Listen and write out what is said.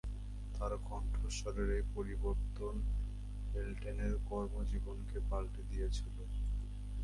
তার কণ্ঠস্বরের এই পরিবর্তন হেলটনের কর্মজীবনকে পালটে দিয়েছিল।